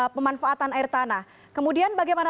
pemanfaatan air tanah kemudian bagaimana